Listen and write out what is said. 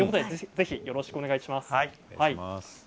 よろしくお願いします。